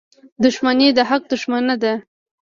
• دښمني د حق دښمنه ده.